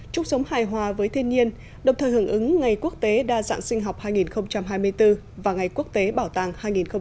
chúc sống hài hòa với thiên nhiên đồng thời hưởng ứng ngày quốc tế đa dạng sinh học hai nghìn hai mươi bốn và ngày quốc tế bảo tàng hai nghìn hai mươi bốn